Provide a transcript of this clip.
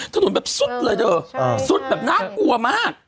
ถนนแบบสุดเลยโดยน่ากลัวมาก